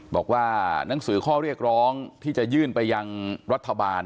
บอกว่าหนังสือข้อเรียกร้องที่จะยื่นไปยังรัฐบาล